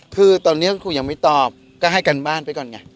คือตอนนี้ครูยังไม่ตอบก็ให้กันบ้านไปก่อนไง